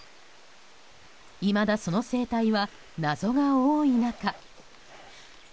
いまだその生態は謎が多い中。